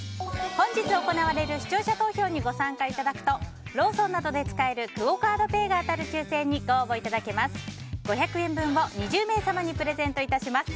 本日行われる視聴者投票にご参加いただくとローソンなどで使えるクオ・カードペイが当たる抽選にご応募いただけます。